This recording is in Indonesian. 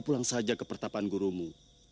pulang saja ke pertapaan gurumu